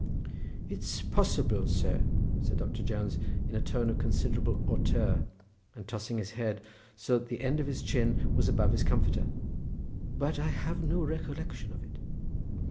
"It's possible, sir," said Doctor Jones in a tone of considerable hauteur, and tossing his head so that the end of his chin was above his comforter, "but I have no recollection of it."